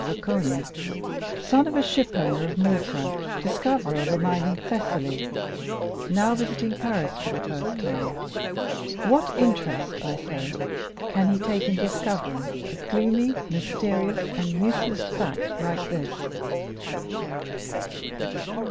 Zaccone,—son of a shipowner of Malta, discoverer of a mine in Thessaly, now visiting Paris for the first time,—what interest, I say, can he take in discovering a gloomy, mysterious, and useless fact like this?